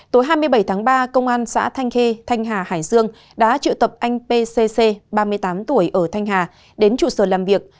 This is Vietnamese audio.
tối hai mươi bảy tháng ba công an xã thanh khê thanh hà hải dương đã triệu tập anh pcc ba mươi tám tuổi ở thanh hà đến trụ sở làm việc